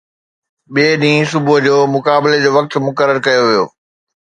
ٻئي ڏينهن صبح جو، مقابلي جو وقت مقرر ڪيو ويو